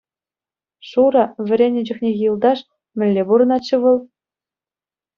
Шура, вӗреннӗ чухнехи юлташ, мӗнле пурӑнать-ши вӑл?